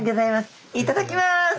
いただきます。